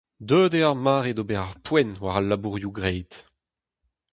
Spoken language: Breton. Deuet eo ar mare d'ober ar poent war al labourioù graet.